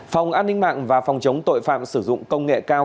phòng an ninh mạng và phòng chống tội phạm sử dụng công nghệ cao